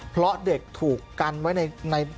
เพราะเด็กถูกกันไว้ใน